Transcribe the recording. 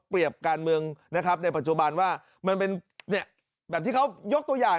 การเมืองนะครับในปัจจุบันว่ามันเป็นแบบที่เขายกตัวอย่าง